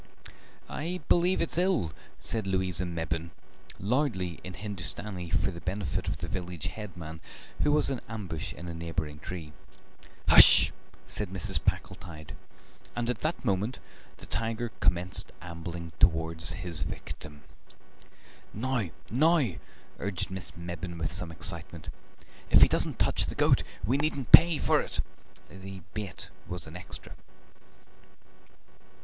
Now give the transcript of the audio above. "I believe it's ill," said Louisa Mebbin, loudly in Hindustani, for the benefit of the village headman, who was in ambush in a neighbouring tree. "Hush!" said Mrs. Packletide, and at that moment the tiger commenced ambling towards his victim. "Now, now!" urged Miss Mebbin with some excitement; "if he doesn't touch the goat we needn't pay for it." (The bait was an extra.)